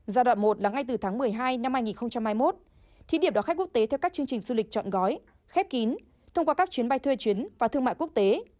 giai đoạn một là ngay từ tháng một mươi hai năm hai nghìn hai mươi một thí điểm đón khách quốc tế theo các chương trình du lịch chọn gói khép kín thông qua các chuyến bay thuê chuyến và thương mại quốc tế